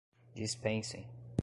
dispensem